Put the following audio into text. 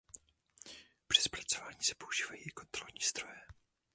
Při zpracování se používají i kontrolní zdroje.